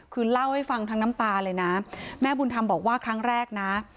คือเล่าให้ฟังทั้งน้ำตาเลยนะแม่บุญธรรมบอกว่าครั้งแรกนะ